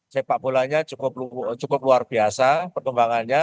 sepak bolanya cukup luar biasa perkembangannya